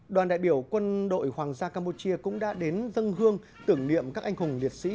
đoàn đại biểu quân đội hoàng gia campuchia cũng đã đến dân hương tưởng niệm các anh hùng liệt sĩ